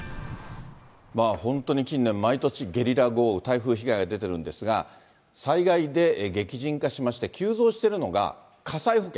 本当に近年、毎年ゲリラ豪雨、台風被害が出てるんですが、災害で激甚化しまして、急増しているのが火災保険。